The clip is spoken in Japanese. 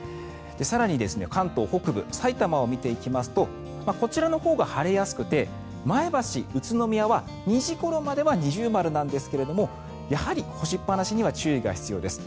更に、関東北部やさいたまを見ていきますとこちらのほうが晴れやすくて前橋、宇都宮は２時ごろまでは二重丸なんですけれどもやはり干しっぱなしには注意が必要です。